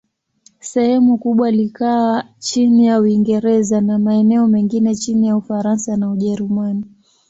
Sehemu kubwa likawa chini ya Uingereza, na maeneo mengine chini ya Ufaransa na Ujerumani.